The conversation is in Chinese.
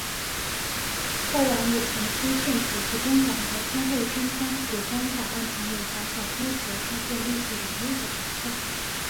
过往也曾出现补习天王和天后身穿古装打扮成武侠小说角色或历史人物的广告。